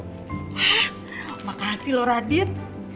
hah makasih loh radit